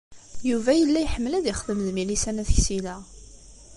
Yuba yella iḥemmel ad yexdem d Milisa n At Ksila.